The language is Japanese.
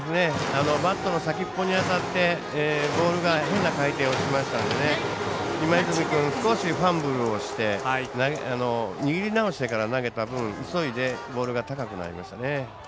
バットの先っぽに当たってボールが変な回転をしたので今泉君、少しファンブルをして握り直してから投げた分急いでボールが高くなりましたね。